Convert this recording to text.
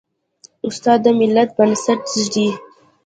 استاد د ملت بنسټ ږدي.